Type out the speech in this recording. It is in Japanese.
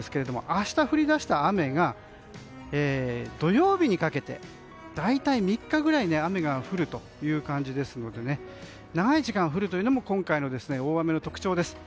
明日降り出した雨が土曜日にかけて大体３日ぐらい雨が降る感じですので長い時間降るのも今回の大雨の特徴です。